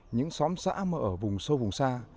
những xóm xã mà ở vùng sâu vùng xa